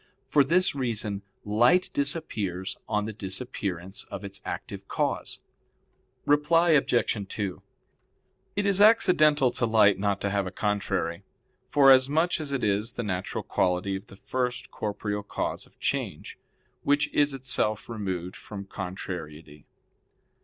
For this reason light disappears on the disappearance of its active cause. Reply Obj. 2: It is accidental to light not to have a contrary, forasmuch as it is the natural quality of the first corporeal cause of change, which is itself removed from contrariety.